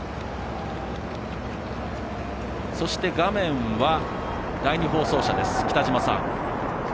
そして、画面は第２放送車です。